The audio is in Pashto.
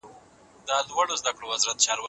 بزکشي په پښو نه کېږي.